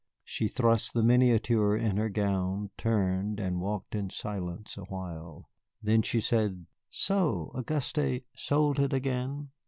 She thrust the miniature in her gown, turned, and walked in silence awhile. Then she said: "So Auguste sold it again?"